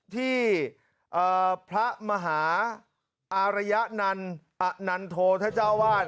ที่พระมหาอารยันอนันโททะเจ้าวาด